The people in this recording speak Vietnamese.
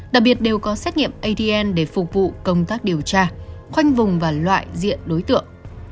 đặc biệt đều có xét nghiệm adn để phục vụ công tác điều tra khoanh vùng và loại diện đối tượng